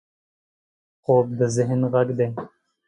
خوب د ذهن غږ دی